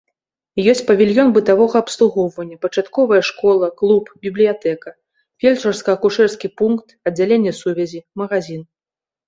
Ёсць павільён бытавога абслугоўвання, пачатковая школа, клуб, бібліятэка, фельчарска-акушэрскі пункт, аддзяленне сувязі, магазін.